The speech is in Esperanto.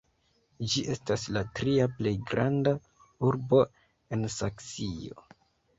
Ĝi estas la tria plej granda urbo en Saksio.